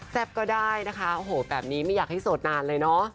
แซ่บก็ได้นะคะแบบนี้ไม่อยากให้โสดนานเลยเนาะ